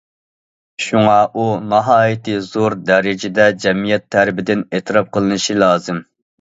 شۇڭا، ئۇ ناھايىتى زور دەرىجىدە جەمئىيەت تەرىپىدىن ئېتىراپ قىلىنىشى لازىم.